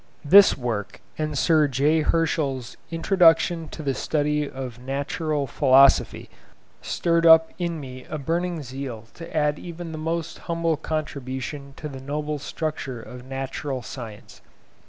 This work, and Sir J. Herschel's 'Introduction to the Study of Natural Philosophy,' stirred up in me a burning zeal to add even the most humble contribution to the noble structure of Natural Science.